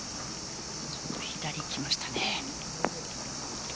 ちょっと左いきましたね。